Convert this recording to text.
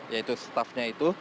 yaitu stafnya itu